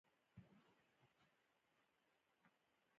برېټانیا لومړی د لوېدیځې افریقا په فکر کې شوه.